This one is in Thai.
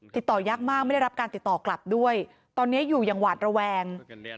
ติดต่อยากมากไม่ได้รับการติดต่อกลับด้วยตอนนี้อยู่อย่างหวาดระแวง